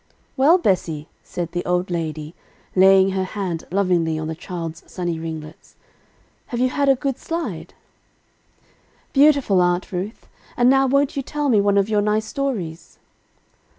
"Well, Bessie," said the old lady, laying her hand lovingly on the child's sunny ringlets, "have you had a good slide?" "Beautiful, Aunt Ruth; and now won't you tell me one of your nice stories?"